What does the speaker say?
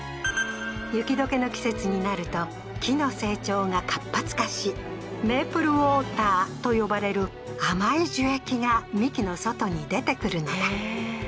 雪解けの季節になると木の成長が活発化し、「メープルウォーター」と呼ばれる甘い樹液が幹の外に出てくるのだ。